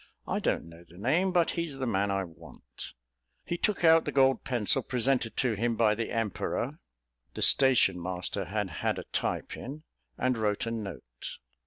"I don't know the name, but he's the man I want." He took out the gold pencil presented to him by the Emperor (the station master had had a tie pin) and wrote a note.